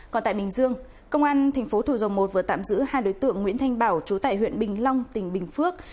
còn tại bình dương công an tp thủ dầu một vừa tạm giữ hai đối tượng nguyễn thanh bảo chú tại huyện bình long tỉnh bình phước